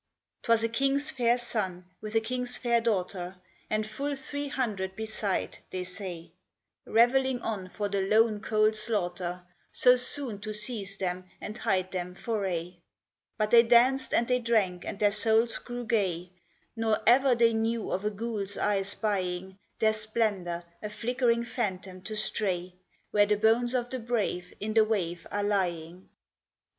'T was a king's fair son with a king's fair daughter, And full three hundred beside, they say, Revelling on for the lone, cold slaughter So soon to seize them and hide them for aye; But they danced and they drank and their souls grew gay, Nor ever they knew of a ghoul's eye spying Their splendor a flickering phantom to stray Where the bones of the brave in the wave are lying.